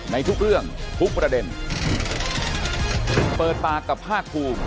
ในทุกเรื่องทุกประเด็นเปิดปากกับภาคภูมิ